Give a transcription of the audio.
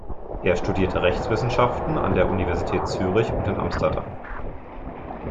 Er studierte Rechtswissenschaften an der Universität Zürich und in Amsterdam.